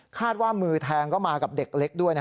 ว่ามือแทงก็มากับเด็กเล็กด้วย